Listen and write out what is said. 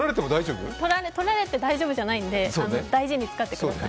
取られて大丈夫じゃないので大事に使ってください。